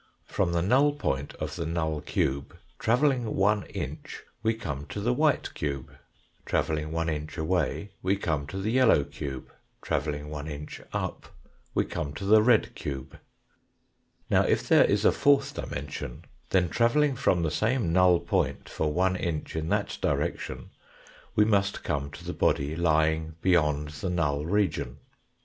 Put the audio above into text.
From the null point of the null cube, travelling one inch, we come to the white cube ; travelling one inch away we come to the yellow cube ; travelling one inch up we come to the red cube. Now, if there is a fourth dimension, then travelling from the same null point for one Red Pink N \\ u \ Null X White \\ \fellow\ ,\ vellov ( Orange hidden) Fig. 98. inch in that direction, we must come to the body lying beyond the null region.